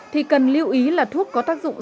thì cần lưu ý là thuốc có tác dụng